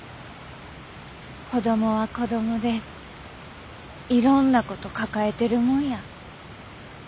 子供は子供でいろんなこと抱えてるもんや。